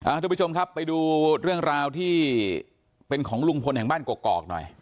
ทุกผู้ชมครับไปดูเรื่องราวที่เป็นของลุงพลแห่งบ้านกกอกหน่อย